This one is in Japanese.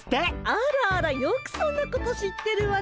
あらあらよくそんなこと知ってるわねえっミノル？